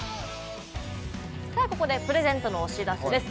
ここでプレゼントのお知らせです。